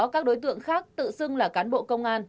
các đối tượng khác tự xưng là cán bộ công an